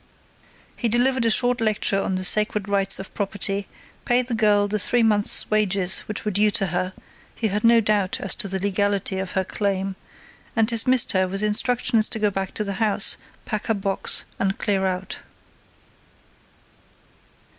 He delivered a short lecture on the sacred rights of property, paid the girl the three months' wages which were due to her he had no doubt as to the legality of her claim and dismissed her with instructions to go back to the house, pack her box and clear out.